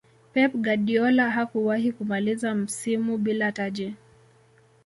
pep guardiola hakuwahi kumaliza msimu bila taji